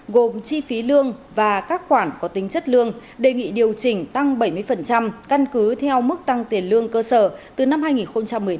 gồm chi phí lương và các khoản có tính chất lương đề nghị điều chỉnh tăng bảy mươi căn cứ theo mức tăng tiền lương cơ sở từ năm hai nghìn một mươi bảy